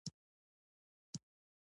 • کتابونه د فکرونو قوت ورکوي.